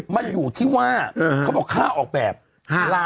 มันอยู่ที่ว่าเขาบอกค่าออกแบบ